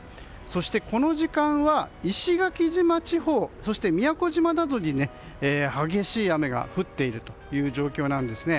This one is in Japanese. そしてこの時間は石垣島地方そして宮古島などに激しい雨が降っているという状況なんですね。